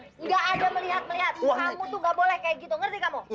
kamu tuh gak boleh kayak gitu ngerti kamu